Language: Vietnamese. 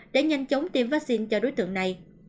để nhanh chống tiêm vaccine cho đối tượng này